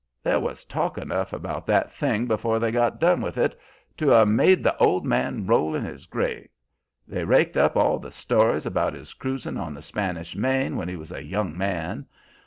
"There was talk enough about that thing before they got done with it to 'a' made the old man roll in his grave. They raked up all the stories about his cruisin' on the Spanish main when he was a young man.